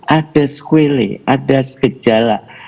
ada sekele ada sekejala